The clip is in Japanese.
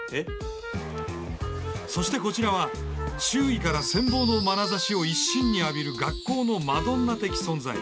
そしてこちらは周囲から羨望のまなざしを一身に浴びる学校のマドンナ的存在。